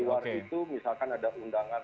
di luar itu misalkan ada undangan